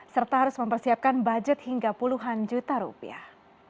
serta harus mempersiapkan budget hingga puluhan juta rupiah